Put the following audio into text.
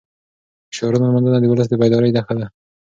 د شاعرانو لمانځنه د ولس د بیدارۍ نښه ده.